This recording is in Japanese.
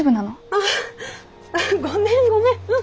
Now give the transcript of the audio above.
ああごめんごめん。